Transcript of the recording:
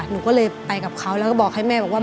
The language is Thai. หนูก็เลยไปกับเขาแล้วก็บอกให้แม่บอกว่า